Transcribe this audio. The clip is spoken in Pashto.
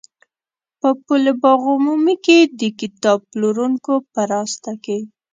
په پل باغ عمومي کې د کتاب پلورونکو په راسته کې.